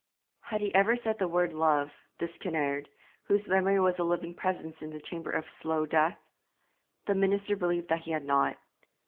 "' Had he ever said the word 'love,' this Kinnaird, whose memory was a living presence in the chamber of slow death? The minister believed that he had not.